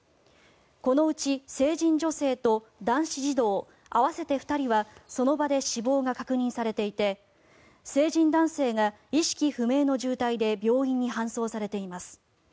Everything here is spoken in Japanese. このうち成人女性と男子児童合わせて２人はその場で死亡が確認されていて成人男性が意識不明の重体で病院に搬送されています。